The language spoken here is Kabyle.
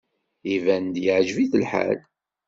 Iban-d yeɛjeb-it lḥal.